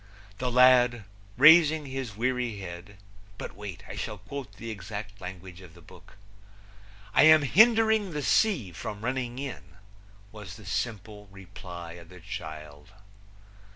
The lad, raising his weary head but wait, I shall quote the exact language of the book: "I am hindering the sea from running in," was the simple reply of the child.